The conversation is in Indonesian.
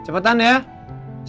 lu mau menurut mas al grounds